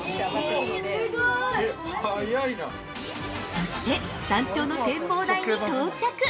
◆そして、山頂の展望台に到着。